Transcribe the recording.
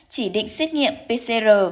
chỉ định xét nghiệm pcr